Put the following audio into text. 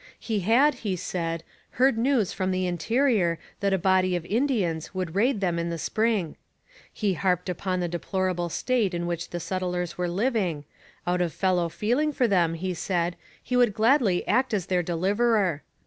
He had, he said, heard news from the interior that a body of Indians would raid them in the spring. He harped upon the deplorable state in which the settlers were living; out of fellow feeling for them, he said, he would gladly act as their deliverer.